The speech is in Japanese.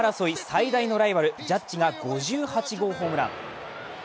最大のライバル・ジャッジが５８号ホームラン。